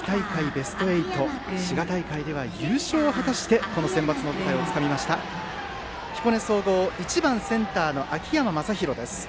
ベスト８滋賀大会では優勝を果たしてこのセンバツの舞台をつかんだ彦根総合１番センターの秋山昌広です。